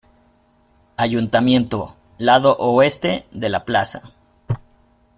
Ayuntamiento: Lado oeste de la plaza.